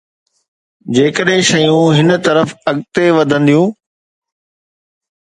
جيڪڏهن شيون هن طرف اڳتي وڌنديون.